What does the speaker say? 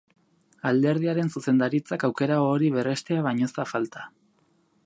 Alderdiaren zuzendaritzak aukera hori berrestea baino ez da falta.